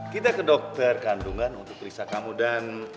kita ke dokter kandungan untuk periksa kamu dan